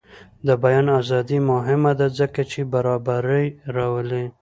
د بیان ازادي مهمه ده ځکه چې برابري راولي.